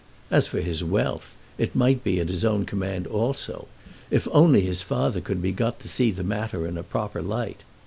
As for the wealth, it might be at his own command also, if only his father could be got to see the matter in a proper light.